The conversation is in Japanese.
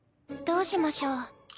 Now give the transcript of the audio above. どうしましょう。